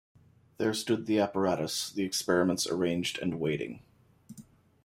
There stood the apparatus, the experiments arranged and waiting.